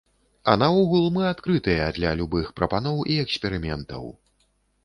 А наогул, мы адкрытыя для любых прапаноў і эксперыментаў!